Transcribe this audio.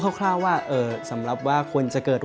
คร่าวว่าสำหรับว่าคนจะเกิด